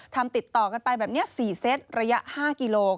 ติดต่อกันไปแบบนี้๔เซตระยะ๕กิโล